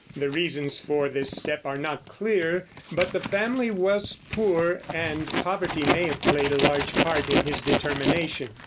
The reasons for this step are not clear; but the family was poor, and poverty may have played a large part in his determination.